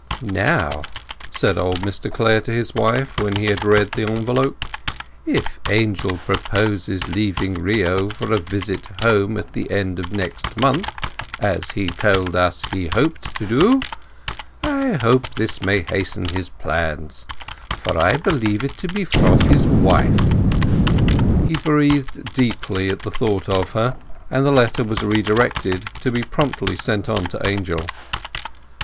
"Now," said old Mr Clare to his wife, when he had read the envelope, "if Angel proposes leaving Rio for a visit home at the end of next month, as he told us that he hoped to do, I think this may hasten his plans; for I believe it to be from his wife." He breathed deeply at the thought of her; and the letter was redirected to be promptly sent on to Angel.